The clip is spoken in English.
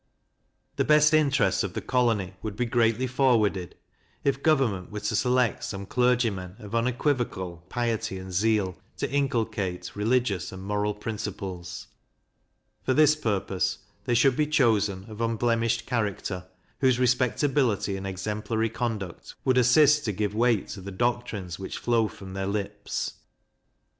The best interests of the colony would be greatly forwarded, if government were to select some clergymen, of unequivocal piety and zeal, to inculcate religious and moral principles. For this purpose, they should be chosen of unblemished character, whose respectability and exemplary conduct would assist to give weight to the doctrines which flow from their lips.